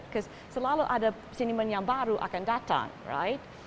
karena selalu ada seniman yang baru akan datang